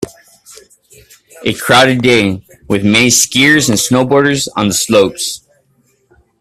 A crowded day with many skiers and snowboarders on the slopes.